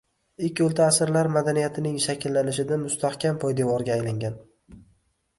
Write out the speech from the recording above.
Ilk o‘rta asrlar madaniyatining shakllanishida mustahkam poydevorga aylangan.